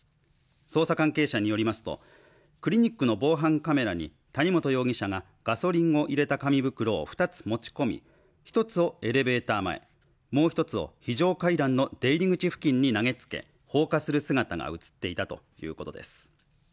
捜査関係者によりますとクリニックの防犯カメラに谷本容疑者がガソリンを入れた紙袋を２つ持ち込み１つをエレベーター前もう一つを非常階段の出入り口付近に投げつけ放火する姿が映っていたということです